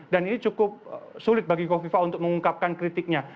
dan ini cukup sulit bagi kofifa untuk mengungkapkan kritiknya